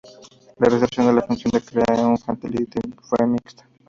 La recepción de la función de Krea-un-Fatality fue mixta.